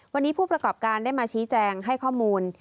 วันนี้ผู้ประกอบการได้มาชี้แจงให้ข้อมูล